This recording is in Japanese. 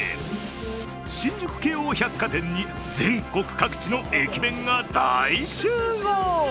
新宿京王百貨店に、全国各地の駅弁が大集合。